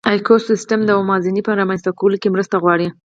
ایکوسېسټم د موازنې په رامنځ ته کولو کې مرسته وکړه.